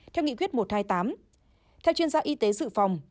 theo nghị quyết một trăm hai mươi tám theo chuyên gia y tế dự phòng